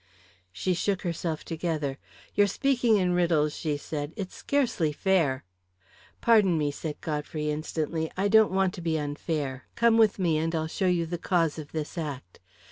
She shook herself together. "You're speaking in riddles," she said. "It's scarcely fair." "Pardon me," said Godfrey instantly. "I don't want to be unfair. Come with me and I'll show you the cause of this act.